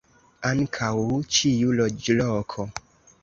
Ankaŭ ĉiu loĝloko.